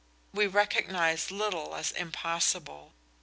We recognize little as impossible.